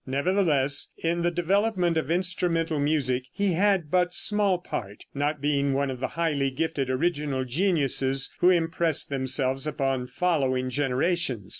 Nevertheless, in the development of instrumental music he had but small part, not being one of the highly gifted original geniuses who impress themselves upon following generations.